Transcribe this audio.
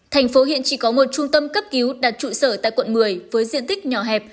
tp hcm chỉ có một trung tâm cấp cứu đặt trụ sở tại quận một mươi với diện tích nhỏ hẹp